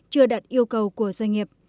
chưa đạt yêu cầu